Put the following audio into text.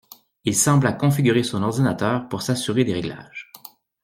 il sembla configurer son ordinateur pour s’assurer des réglages.